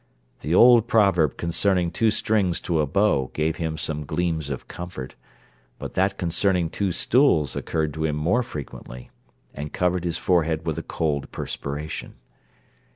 The old proverb concerning two strings to a bow gave him some gleams of comfort; but that concerning two stools occurred to him more frequently, and covered his forehead with a cold perspiration.